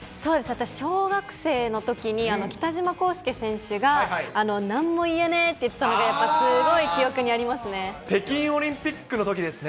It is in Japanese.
小学生のときに、北島康介選手がなんも言えねえって言ったのが、すごい記憶にあり北京オリンピックのときですね。